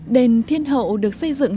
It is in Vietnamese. đền thiên hậu được xây dựng